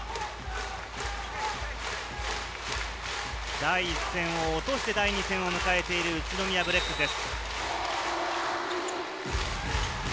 第１戦を落として、第２戦を迎えている宇都宮ブレックスです。